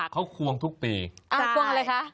เขาควงทุกปีควงอะไรคะ